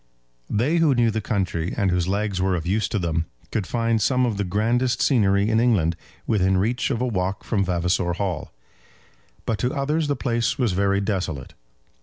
They who knew the country, and whose legs were of use to them, could find some of the grandest scenery in England within reach of a walk from Vavasor Hall; but to others the place was very desolate.